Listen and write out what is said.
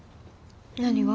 何が？